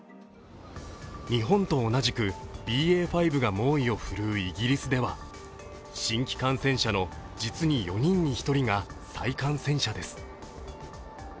日本と同じくＢＡ．５が猛威を振るうイギリスでは、新規感染者の実に４人に１人が再感染者です。